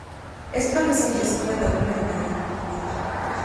Es profesor de la Escuela Taurina de Madrid.